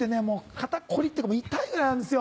肩凝りってか痛いぐらいなんですよ。